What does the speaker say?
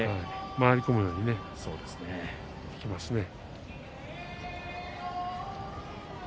回り込むようにしていますね。